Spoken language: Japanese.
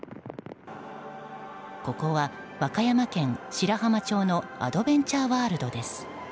ここは、和歌山県白浜町のアドベンチャーワールドです。